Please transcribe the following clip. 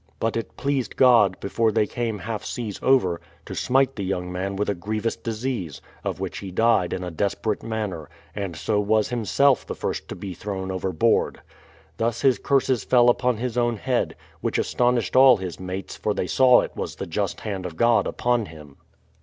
But it pleased God, before they came half seas over, to smite the young man with a grievous disease, of which he died in a desperate manner, and so was himself the first to be thrown overboard. Thus his curses fell upon his own head, which astonished all his mates for they saw it was the just hand of God upon him.